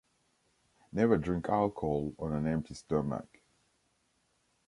Never drink alcohol on an empty stomach!